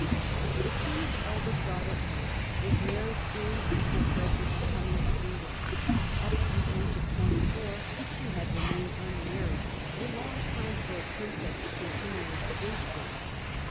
*' The King's eldest daughter, Anne, was married soon after Frederick's coming to England. Up to the age of twenty four she had remained unmarried, a long time for a princess to continue a spinster.